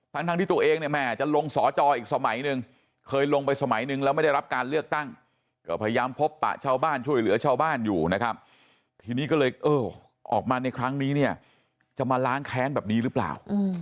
ทั้งที่ตัวเองเนี่ยแม่จะลงสอจออีกสมัยหนึ่งเคยลงไปสมัยหนึ่งแล้วไม่ได้รับการเลือกตั้งก็พยายามพบปะชาวบ้านช่วยเหลือชาวบ้านอยู่นะครับทีนี้ก็เลยเออออกมาในครั้งนี้เนี่ยจะมาล้างแค้นแบบนี้หรือเปล่า